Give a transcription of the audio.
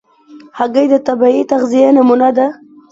هګۍ د طبیعي تغذیې نمونه ده.